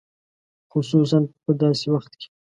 خصوصاً په داسې وخت کې.